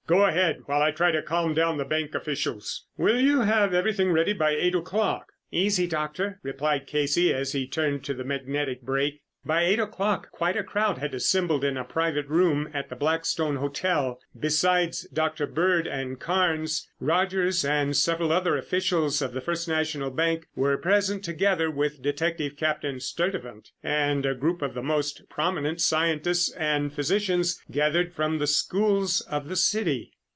"Go ahead while I try to calm down the bank officials. Will you have everything ready by eight o'clock?" "Easy, Doctor," replied Casey as he turned to the magnetic brake. By eight o'clock quite a crowd had assembled in a private room at the Blackstone Hotel. Besides Dr. Bird and Carnes, Rogers and several other officials of the First National Bank were present, together with Detective Captain Sturtevant and a group of the most prominent scientists and physicians gathered from the schools of the city.